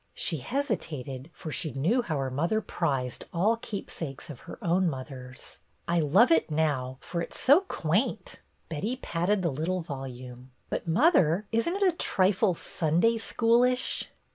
She hesitated, for she knew how her mother prized all keepsakes of her own mother's. "I love it now, for it 's so quaint." Betty patted the little volume. '' But, mother, is n't it a trifle Sunday schoolish